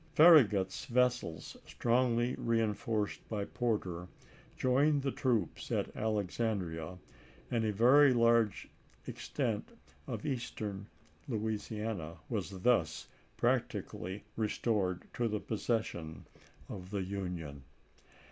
Farragut's vessels, strongly reenf orced by Porter, joined the troops at Alexandria, and a very large extent of Eastern Louisiana was thus practically restored to the possession of the Union.